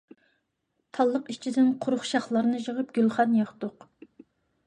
تاللىق ئىچىدىن قۇرۇق شاخلارنى يىغىپ گۈلخان ياقتۇق.